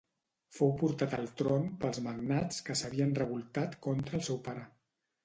Fou portat al tron pels magnats que s'havien revoltat contra el seu pare.